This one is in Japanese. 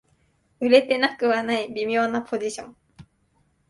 売れてなくはない微妙なポジション